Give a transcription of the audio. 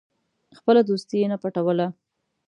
خپله دوستي یې نه پټوله.